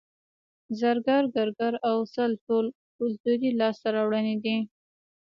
زرګر ګګر او سل ټول کولتوري لاسته راوړنې دي